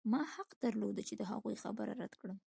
ما حق درلود چې د هغوی خبره رد کړم